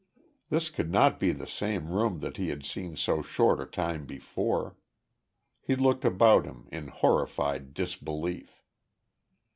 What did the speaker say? This could not be the same room that he had seen so short a time before. He looked about him, in horrified disbelief.